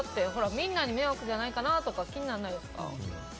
みんなに迷惑じゃないかなとか気にならないですか？